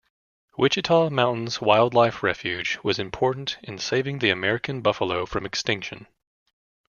Wichita Mountains Wildlife Refuge was important in saving the American buffalo from extinction.